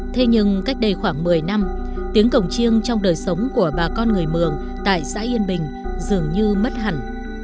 thế nhưng cách đây khoảng một mươi năm tiếng cổng chiêng trong đời sống của bà con người mường tại xã yên bình dường như mất hẳn